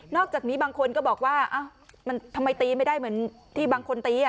อกจากนี้บางคนก็บอกว่ามันทำไมตีไม่ได้เหมือนที่บางคนตี